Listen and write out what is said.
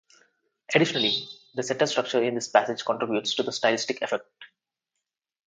Additionally, the sentence structure in this passage contributes to the stylistic effect.